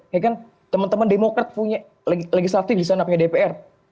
ya kan teman teman demokrat punya legislatif di sana punya dpr